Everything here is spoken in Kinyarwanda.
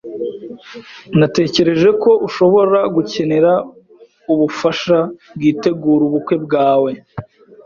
Natekereje ko ushobora gukenera ubufasha bwitegura ubukwe bwawe.